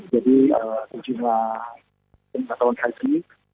jadi kejemaah pengetahuan haji